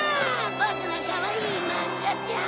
ボクのかわいい漫画ちゃん！